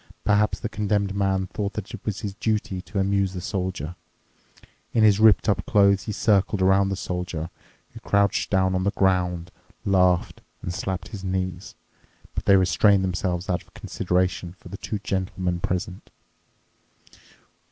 Perhaps the Condemned Man thought that it was his duty to amuse the Soldier. In his ripped up clothes he circled around the Soldier, who crouched down on the ground, laughed, and slapped his knees. But they restrained themselves out of consideration for the two gentlemen present.